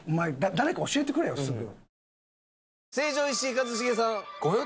誰か教えてくれよすぐ。